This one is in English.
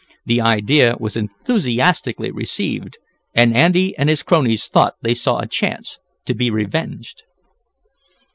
The idea was enthusiastically received, and Andy and his cronies thought they saw a chance to be revenged.